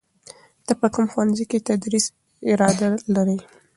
ته په کوم ښوونځي کې د تدریس اراده لرې؟